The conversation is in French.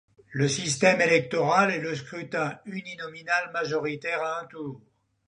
Le système électoral est le scrutin uninominal majoritaire à un tour.